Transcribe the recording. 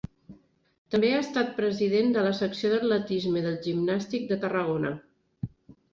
També ha estat president de la secció d'atletisme del Gimnàstic de Tarragona.